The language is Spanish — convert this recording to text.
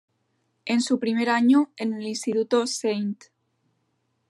En su primer año en el instituto St.